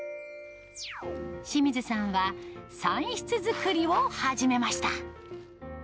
清水さんは産室作りを始めました。